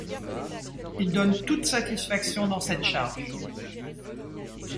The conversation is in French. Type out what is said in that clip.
Il donne toute satisfaction dans cette charge.